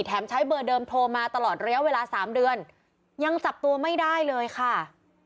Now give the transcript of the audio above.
ใช้เบอร์เดิมโทรมาตลอดระยะเวลา๓เดือนยังจับตัวไม่ได้เลยค่ะ